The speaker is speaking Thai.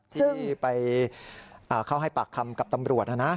ที่ไปเข้าให้ปากคำกับตำรวจนะนะ